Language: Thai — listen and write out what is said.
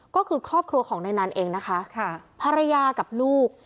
ก็คือครอบครัวของนายนันเองนะคะภรรยากับลูก